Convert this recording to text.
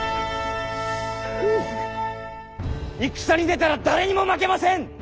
戦に出たら誰にも負けません！